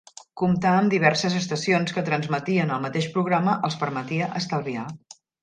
Comptar amb diverses estacions que transmetien el mateix programa els permetia estalviar.